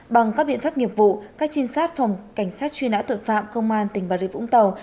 bằng các biện pháp nghiệp vụ các trinh sát phòng cảnh sát truy nã tội phạm công an tỉnh bà rịa vũng tàu